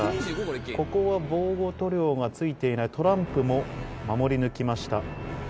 ここは防護塗料が付いていないトランプも守り抜きました。